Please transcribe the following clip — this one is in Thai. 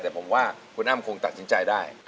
แต่ผมว่าคุณอ้ำคงตัดสินใจได้